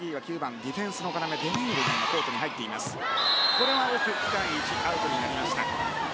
これは深い位置アウトになりました。